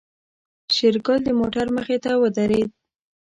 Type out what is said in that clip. شېرګل د موټر مخې ته ودرېد.